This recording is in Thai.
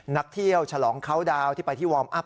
นักเที่ยวฉลองเขาดาวน์ที่ไปที่วอร์มอัพ